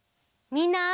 みんな。